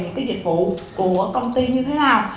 những cái dịch vụ của công ty như thế nào